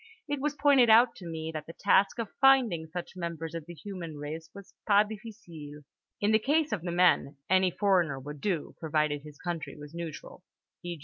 It was pointed out to me that the task of finding such members of the human race was pas difficile: in the case of the men, any foreigner would do provided his country was neutral (e.